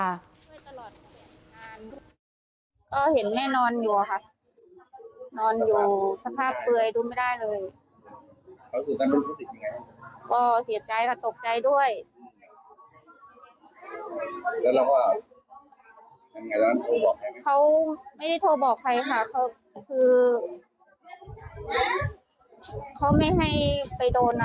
เราขายของใช่ไหมคะ